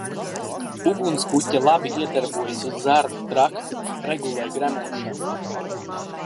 Ugunspuķe labi iedarbojas uz zarnu traktu, regulē gremošanu.